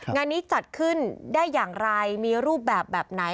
งานนี้จัดขึ้นได้อย่างไรมีรูปแบบแบบไหน